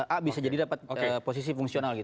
a bisa jadi dapat posisi fungsional gitu